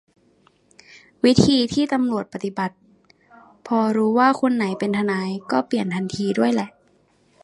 วิธีที่ตำรวจปฏิบัติพอรู้ว่าคนไหนเป็นทนายก็เปลี่ยนทันทีด้วยแหละ